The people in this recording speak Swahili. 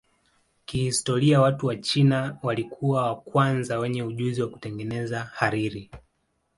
Kihistoria watu wa China walikuwa wa kwanza wenye ujuzi wa kutengeneza hariri.